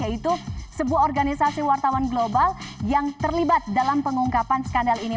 yaitu sebuah organisasi wartawan global yang terlibat dalam pengungkapan skandal ini